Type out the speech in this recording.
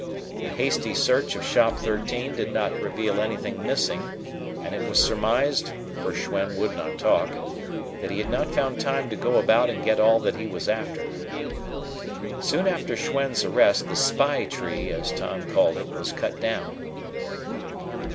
A hasty search of Shop 13 did not reveal anything missing, and it was surmised (for Schwen would not talk) that he had not found time to go about and get all that he was after. Soon after Schwen's arrest the "Spy Tree," as Tom called it, was cut down.